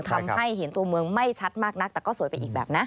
ทำให้เห็นตัวเมืองไม่ชัดมากนักแต่ก็สวยไปอีกแบบนะ